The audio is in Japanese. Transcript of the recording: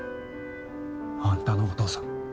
あんたのお父さん